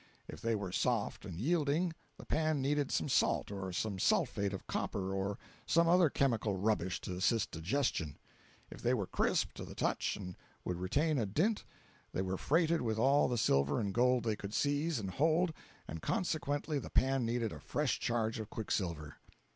If they were soft and yielding, the pan needed some salt or some sulphate of copper or some other chemical rubbish to assist digestion; if they were crisp to the touch and would retain a dint, they were freighted with all the silver and gold they could seize and hold, and consequently the pan needed a fresh charge of quicksilver.